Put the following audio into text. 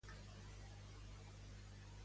Quants cràters amb nom té Cal·listo?